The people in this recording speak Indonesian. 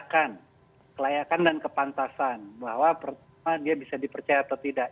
kelayakan dan kepantasan bahwa pertama dia bisa dipercaya atau tidak